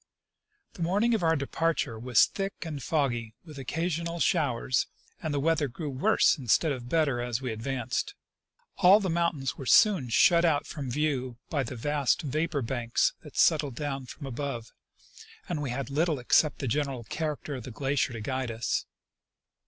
The morning of our departure was thick and foggy, with occa sional showers, and the weather grew worse instead of better as we advanced. All the mountains were soon shut out from view by the vast vapor banks that settled down from above, and we had little except the general character of the glacier to guide us.